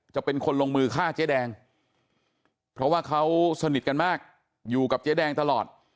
จะเป็นคนลงมือฆ่าเจ๊แดงเพราะว่าเขาสนิทกันมากอยู่กับเจ๊แดงตลอด